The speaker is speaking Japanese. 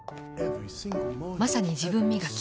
まさに自分磨き。